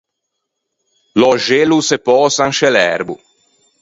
L’öxello o se pösa in sce l’erbo.